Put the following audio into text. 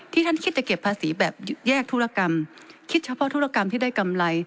ท่านคิดจะเก็บภาษีแบบแยกธุรกรรมคิดเฉพาะธุรกรรมที่ได้กำไร